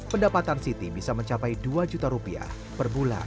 pendapatan siti bisa mencapai dua juta rupiah per bulan